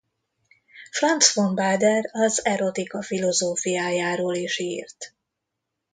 Franz von Baader az erotika filozófiájáról is írt.